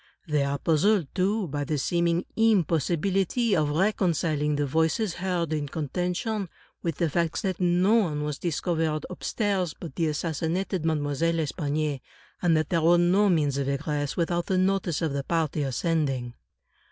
They are puzzled, too, by the seeming impossibility of reconciling the voices heard in con tention, with the facts that no one was discovered upstairs but the assassinated Mademoiselle L'Espanaye, and that there were no means of egress without the notice of the party ascending.